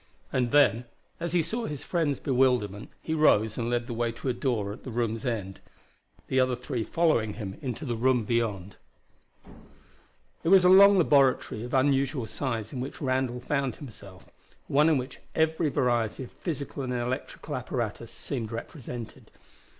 And then as he saw his friend's bewilderment he rose and led the way to a door at the room's end, the other three following him into the room beyond. It was a long laboratory of unusual size in which Randall found himself, one in which every variety of physical and electrical apparatus seemed represented.